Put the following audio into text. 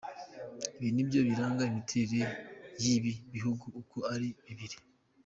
Ibi nibyo biranga imiterere y’ibi bihugu uko ari bibiri.